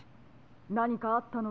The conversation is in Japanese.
・なにかあったのですか？